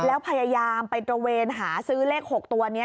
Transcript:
แล้วพยายามไปตระเวนหาซื้อเลข๖ตัวนี้